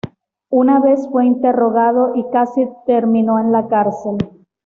Una vez fue interrogado y casi terminó en la cárcel.